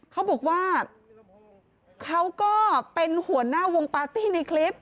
เขาบอกว่าเขาก็เป็นหัวหน้าวงปาร์ตี้ในคลิป